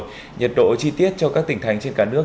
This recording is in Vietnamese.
nhiệt độ chi tiết cho các tỉnh thành trên cả nước